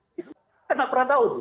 kita pernah tahu